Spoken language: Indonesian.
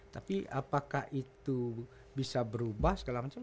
tapi apakah itu bisa berubah segala macam